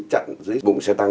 chặn dưới bụng xe tăng